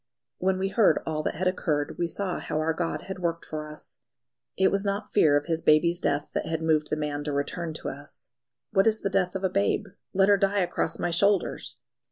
When we heard all that had occurred we saw how our God had worked for us. It was not fear of his baby's death that had moved the man to return to us. "What is the death of a babe? Let her die across my shoulders!"